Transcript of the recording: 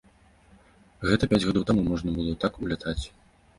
Гэта пяць гадоў таму можна было так улятаць.